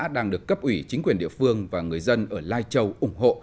đang được cấp ủy chính quyền địa phương và người dân ở lai châu ủng hộ